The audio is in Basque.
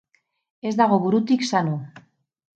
Ez dago burutik sano.